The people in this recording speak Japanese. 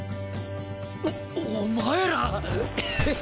おお前ら！